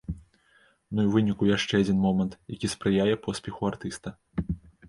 Ну і ў выніку яшчэ адзін момант, які спрыяе поспеху артыста.